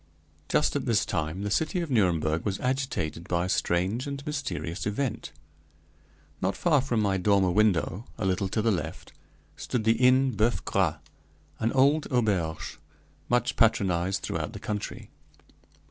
Just at this time the city of Nuremberg was agitated by a strange and mysterious event. Not far from my dormer window, a little to the left, stood the Inn Boeuf Gras, an old auberge much patronized throughout the country.